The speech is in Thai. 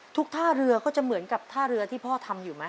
ท่าเรือก็จะเหมือนกับท่าเรือที่พ่อทำอยู่ไหม